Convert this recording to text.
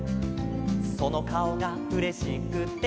「そのかおがうれしくて」